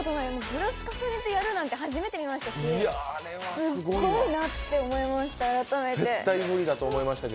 グラス重ねてやるなんて初めて見ましたし、すごいなって思いました。